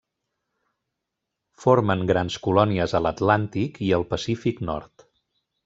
Formen grans colònies a l'Atlàntic i el Pacífic Nord.